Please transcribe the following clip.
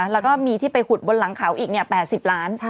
แล้วก็มีที่ไปขุดบนหลังเขาอีก๘๐ล้าน